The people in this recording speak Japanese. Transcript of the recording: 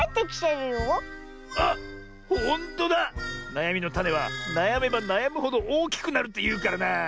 なやみのタネはなやめばなやむほどおおきくなるっていうからなあ。